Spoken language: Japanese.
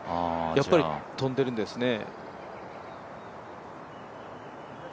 やっぱり飛んでるんですね。